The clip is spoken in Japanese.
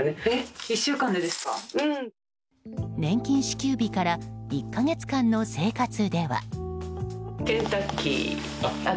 年金支給日から１か月間の生活では。